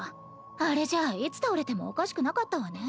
あれじゃあいつ倒れてもおかしくなかったわね。